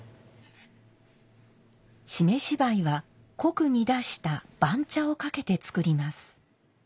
湿し灰は濃く煮出した番茶をかけて作ります。